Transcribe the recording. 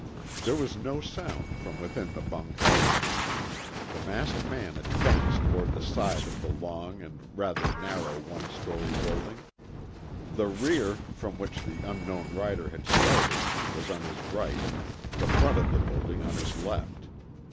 There was no sound from within the bunkhouse. The masked man advanced toward the side of the long and rather narrow one story building. The rear, from which the unknown rider had started, was on his right, the front of the building on his left.